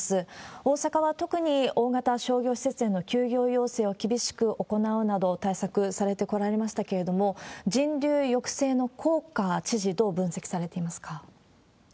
大阪は特に大型商業施設への休業要請を厳しく行うなど、対策されてこられましたけれども、人流抑制の効果、知事、どう分析されてますか。